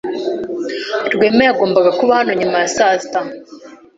Rwema yagombaga kuba hano nyuma ya saa sita.